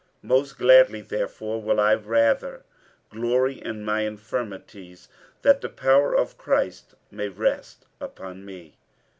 Most gladly therefore will I rather glory in my infirmities, that the power of Christ may rest upon me.